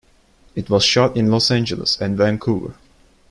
It was shot in Los Angeles and Vancouver.